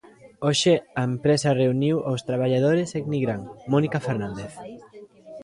Hoxe a empresa reuniu os traballadores en Nigrán, Mónica Fernández.